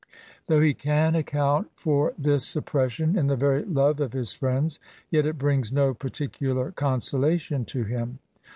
Though ke can account for this suppression in the Tery love of hii friends^ yet it brings no pairticular consolation to him.